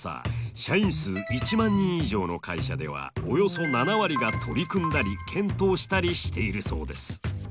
社員数１万人以上の会社ではおよそ７割が取り組んだり検討したりしているそうです。